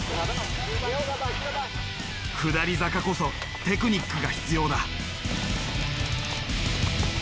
下り坂こそテクニックが必要だ。